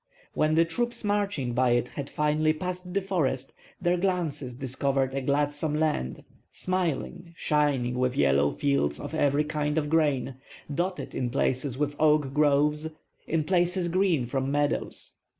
When the troops marching by it had finally passed the forest, their glances discovered a gladsome land, smiling, shining with yellow fields of every kind of grain, dotted in places with oak groves, in places green from meadows.